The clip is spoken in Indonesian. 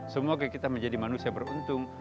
semoga kita menjadi manusia beruntung